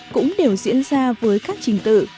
cũng đều diễn ra với các trình tự